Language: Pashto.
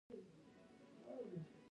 ایا ستاسو کوربه توب به یادګار وي؟